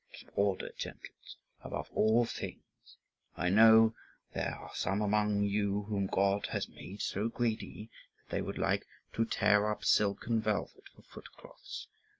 Keep order, gentles, above all things. I know that there are some among you whom God has made so greedy that they would like to tear up silk and velvet for foot cloths.